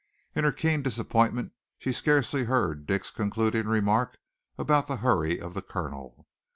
In her keen disappointment she scarcely heard Dick's concluding remark about the hurry of the colonel.